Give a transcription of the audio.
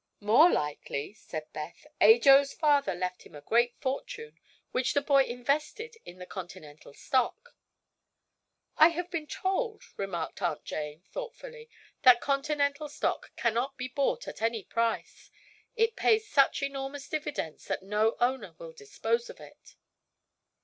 "More likely," said Beth, "Ajo's father left him a great fortune, which the boy invested in the Continental stock." "I have been told," remarked Aunt Jane thoughtfully, "that Continental stock cannot be bought at any price. It pays such enormous dividends that no owner will dispose of it."